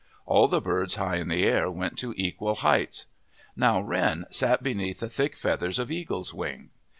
All the birds high in the air went to equal heights. Now Wren sat beneath the thick feathers of Eagle's wing.